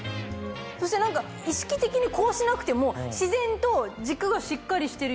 そして何か意識的にこうしなくても。